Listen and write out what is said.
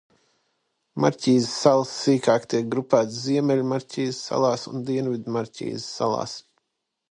Marķīza salas sīkāk tiek grupētas Ziemeļu Marķīza salās un Dienvidu Marķīza salās.